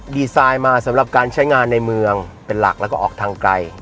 ดีไซน์มาสำหรับการใช้งานในเมืองเป็นหลักแล้วก็ออกทางไกล